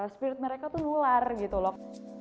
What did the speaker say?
spirit mereka tuh nular gitu loh